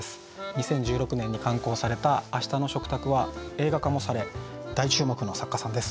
２０１６年に刊行された「明日の食卓」は映画化もされ大注目の作家さんです。